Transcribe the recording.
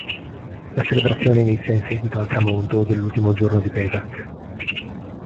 La celebrazione inizia in seguito al tramonto dell'ultimo giorno di Pesach.